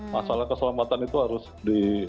masalah keselamatan itu harus di